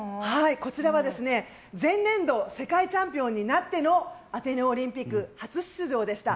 こちらは、前年度世界チャンピオンになってのアテネオリンピック初出場でした。